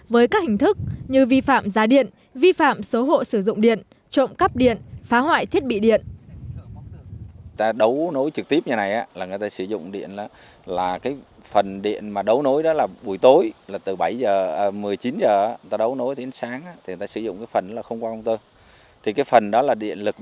với các hình thức như vi phạm giá điện vi phạm số hộ sử dụng điện trộm cắp điện phá hoại thiết bị điện